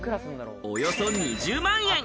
およそ２０万円。